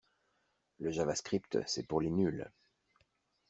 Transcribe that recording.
Le javascript c'est pour les nuls.